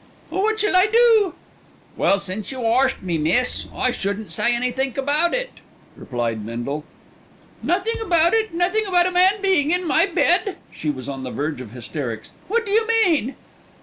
"Oh, what shall I do?" "Well, since you arst me, miss, I shouldn't say any think about it," replied Bindle. "Nothing about it, nothing about a man being in my bed?" She was on the verge of hysterics. "What do you mean?"